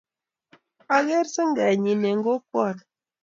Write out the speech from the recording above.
ang'er sengenyin eng kokwoni